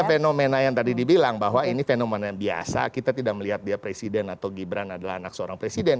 tapi fenomena yang tadi dibilang bahwa ini fenomena yang biasa kita tidak melihat dia presiden atau gibran adalah anak seorang presiden